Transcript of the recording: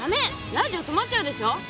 ラジオ止まっちゃうでしょ！